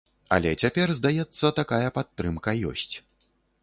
Але цяпер, здаецца, такая падтрымка ёсць.